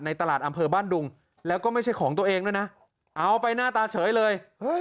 ตลาดอำเภอบ้านดุงแล้วก็ไม่ใช่ของตัวเองด้วยนะเอาไปหน้าตาเฉยเลย